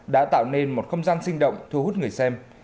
đã tạo nên một không gian sinh động thu hút người xem